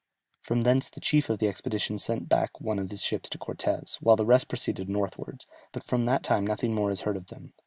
From thence the chief of the expedition sent back one of his ships to Cortès, while the rest proceeded northwards, but from that time nothing more is heard of them.